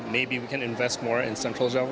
mungkin kita bisa investasi lebih banyak di central java